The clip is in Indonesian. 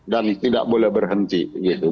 dan tidak boleh berhenti begitu